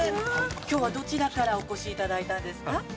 きょうはどちらからお越しいただいたんですか。